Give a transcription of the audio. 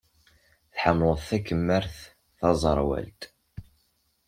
Tḥemmled takemmart taẓerwalt?